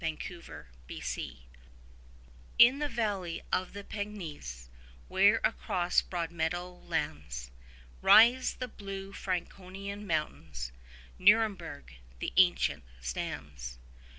NUREMBERG In the valley of the Pegnitz, where across broad meadow lands Rise the blue Franconian mountains, Nuremberg, the ancient, stands.